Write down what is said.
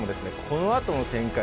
このあとの展開